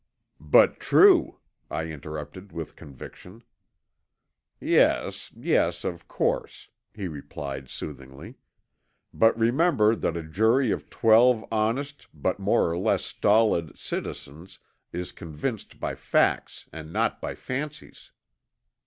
"But true," I interrupted with conviction. "Yes, yes, of course," he replied soothingly. "But remember that a jury of twelve honest, but more or less stolid, citizens is convinced by facts and not by fancies."